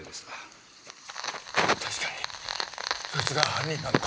確かにそいつが犯人なのか？